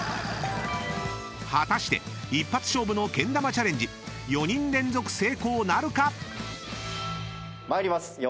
［果たして一発勝負のけん玉チャレンジ４人連続成功なるか⁉］参ります。